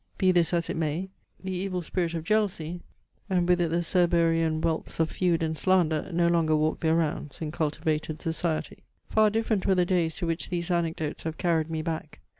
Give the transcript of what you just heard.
Be this as it may, the evil spirit of jealousy, and with it the Cerberean whelps of feud and slander, no longer walk their rounds, in cultivated society. Far different were the days to which these anecdotes have carried me back.